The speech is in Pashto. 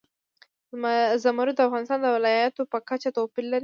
زمرد د افغانستان د ولایاتو په کچه توپیر لري.